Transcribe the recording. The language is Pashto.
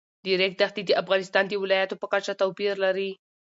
د ریګ دښتې د افغانستان د ولایاتو په کچه توپیر لري.